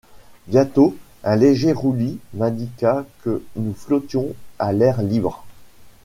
Bientôt un léger roulis m’indiqua que nous flottions à l’air libre.